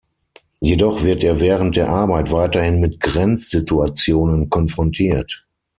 Jedoch wird er während der Arbeit weiterhin mit Grenzsituationen konfrontiert.